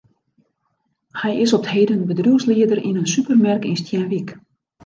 Hy is op 't heden bedriuwslieder yn in supermerk yn Stienwyk.